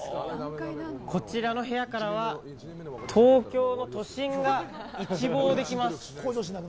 こちらの部屋からは東京都心が一望できます！